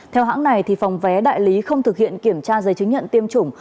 theo hãng này phòng vé đại lý không thực hiện kiểm tra giấy chứng nhận tiêm chủng